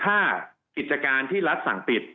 ทางประกันสังคมก็จะสามารถเข้าไปช่วยจ่ายเงินสมทบให้๖๒